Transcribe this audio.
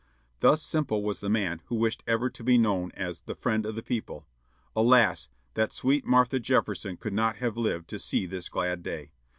Thus simple was the man, who wished ever to be known as "the friend of the people." Alas! that sweet Martha Jefferson could not have lived to see this glad day!